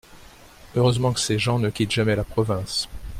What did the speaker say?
Heureusement que ces gens ne quittent jamais la province !